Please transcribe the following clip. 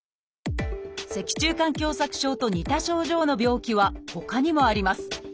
脊柱管狭窄症と似た症状の病気はほかにもあります。